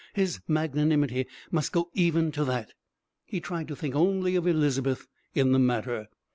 His magnanimity must go even to that. He tried to think only of Elizabeth in the matter.